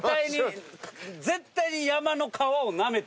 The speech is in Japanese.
絶対に山の川をなめてる。